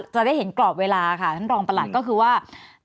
จะได้เห็นกรอบเวลาค่ะท่านรองประหลัดก็คือว่า